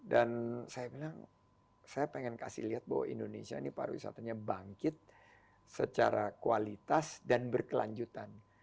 dan saya bilang saya ingin kasih lihat bahwa indonesia ini pariwisatanya bangkit secara kualitas dan berkelanjutan